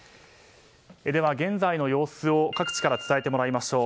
現在の様子を各地から伝えてもらいましょう。